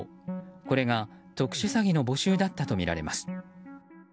これが特殊詐欺の募集だったとみられます。